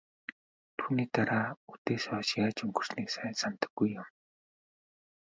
Түүний дараа үдээс хойш яаж өнгөрснийг сайн санадаггүй юм.